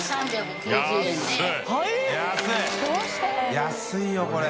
安いよこれ。